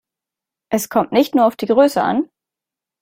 Es kommt nicht nur auf die Größe an.